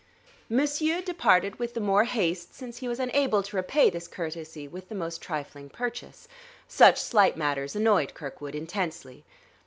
Monsieur departed with the more haste since he was unable to repay this courtesy with the most trifling purchase; such slight matters annoyed Kirkwood intensely.